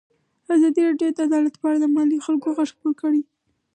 ازادي راډیو د عدالت په اړه د محلي خلکو غږ خپور کړی.